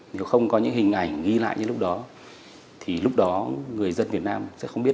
nếu không có những hình ảnh ghi lại như lúc đó thì lúc đó người dân việt nam sẽ không biết